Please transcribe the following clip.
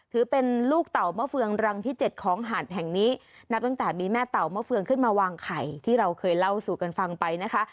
ถือเป็นลูกเต่ามะเฟืองรังที่เจ็ดของหาดแห่งนี้นับตั้งแต่มีแม่เต่ามะเฟืองขึ้นมาวางไข่ที่เราเคยเล่าสู่กันฟังไปนะคะ